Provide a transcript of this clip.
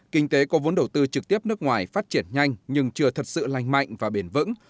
kinh tế có vốn đầu tư trực tiếp nước ngoài phát triển nhanh nhưng chưa thật sự lành mạnh và bền vững